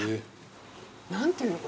何ていうの？